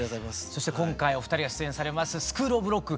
そして今回お二人が出演されます「スクールオブロック」